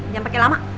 jangan pake lama